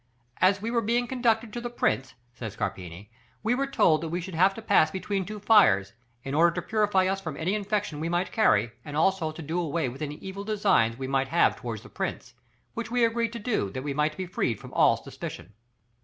"As we were being conducted to the prince," says Carpini, "we were told that we should have to pass between two fires, in order to purify us from any infection we might carry, and also to do away with any evil designs we might have towards the prince, which we agreed to do that we might be freed from all suspicion."